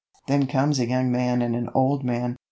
Then comes a young man and an old man.